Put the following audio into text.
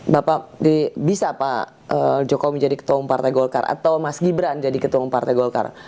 bapak bisa pak jokowi jadi ketua umpara golkar atau mas gibran jadi ketua umpara golkar